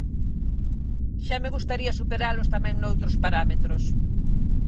Xa me gustaría superalos tamén noutros parámetros.